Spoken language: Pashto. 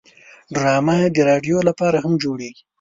ډرامه د رادیو لپاره هم جوړیږي